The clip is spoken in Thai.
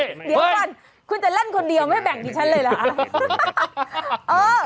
เดี๋ยวก่อนคุณจะเล่นคนเดียวไม่แบ่งดิฉันเลยเหรอคะ